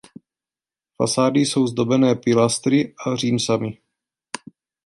Fasády jsou zdobené pilastry a římsami.